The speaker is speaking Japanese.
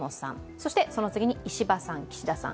そして、その次に石破さん、岸田さん。